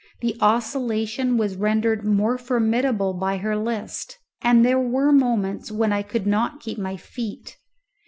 The oscillation was rendered more formidable by her list, and there were moments when I could not keep my feet.